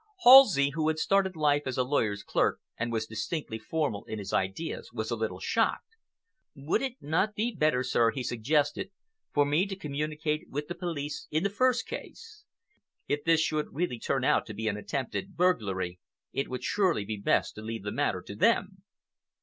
Halsey, who had started life as a lawyer's clerk, and was distinctly formal in his ideas, was a little shocked. "Would it not be better, sir," he suggested, "for me to communicate with the police in the first case? If this should really turn out to be an attempt at burglary, it would surely be best to leave the matter to them."